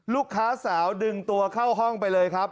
ลูกค้าสาวดึงตัวเข้าห้องไปเลยครับ